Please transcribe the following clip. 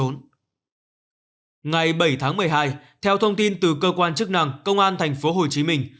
ngày bảy tháng một mươi hai theo thông tin từ cơ quan chức năng công an thành phố hồ chí minh